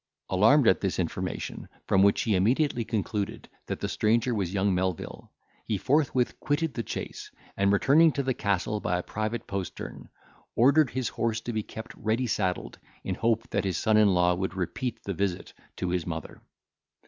Alarmed at this information, from which he immediately concluded that the stranger was young Melvil, he forthwith quitted the chase, and returning to the castle by a private postern, ordered his horse to be kept ready saddled, in hope that his son in law would repeat the visit to his mother.